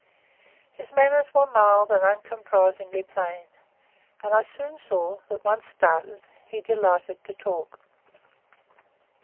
His manners were mild and uncompromisingly plain; and I soon saw that, when once started, he delighted to talk.